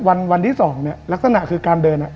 วันที่สองเนี่ยลักษณะคือการเดินอ่ะ